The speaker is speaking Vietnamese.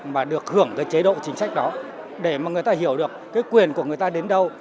và được hưởng chế độ chính sách đó để người ta hiểu được quyền của người ta đến đâu